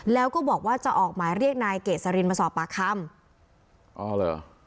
แล้วก็บอกว่าจะออกหมายเรียกนายเกษรินมาสอบปากคำอ๋อเหรอ